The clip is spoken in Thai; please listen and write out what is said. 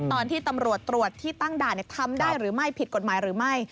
ตอนที่ตำรวจตรวจที่ตั้งด่านทำได้หรือไม่ผิดกฎหมายหรือไม่